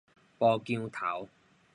埔姜頭